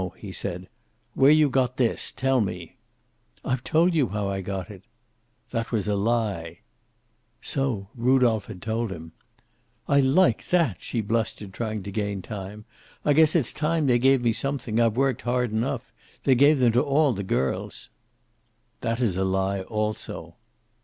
he said. "Where you got this? Tell me." "I've told you how I got it." "That was a lie." So Rudolph had told him! "I like that!" she blustered, trying to gain time. "I guess it's time they gave me something I've worked hard enough. They gave them to all the girls." "That is a lie also."